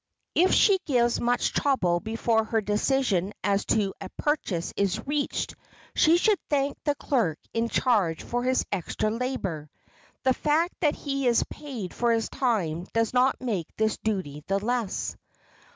If she gives much trouble before her decision as to a purchase is reached she should thank the clerk in charge for his extra labor. The fact that he is paid for his time does not make this duty the less.